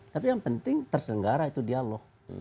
tapi yang penting terselenggara itu dialog